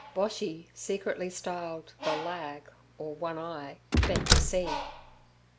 Boshy, secretly styled 'The Lag,' or 'One Eye,' bent to see.